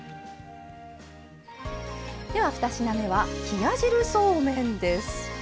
では２品目は冷や汁そうめんです。